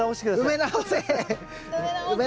埋め直せ！